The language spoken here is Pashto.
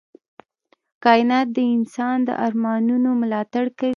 کائنات د انسان د ارمانونو ملاتړ کوي.